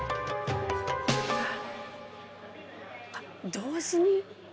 同時に？